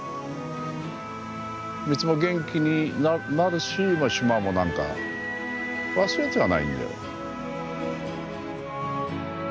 三津も元気になるし島もなんか忘れてはないんじゃろ。